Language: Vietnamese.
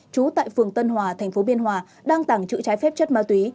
trú tại phường tân hòa thành phố biên hòa đang tàng trữ trái phép chất ma túy